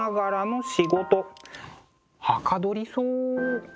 はかどりそう。